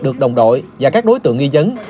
được đồng đội và các đối tượng nghi dấn